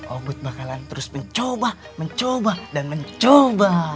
obud bakalan terus mencoba mencoba dan mencoba